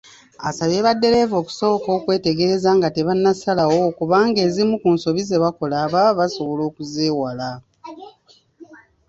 Asabye baddereeva okusooka okwetegereza nga tebannasalawo kubanga ezimu ku nsobi ze bakola baba basobola okuzeewala.